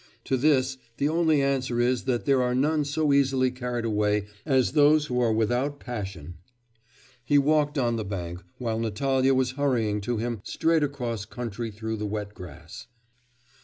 To this the only answer is that there are none so easily carried away as those who are without passion. He walked on the bank, while Natalya was hurrying to him straight across country through the wet grass.